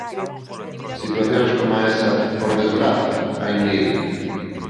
Situacións coma esa, por desgraza, hai mil.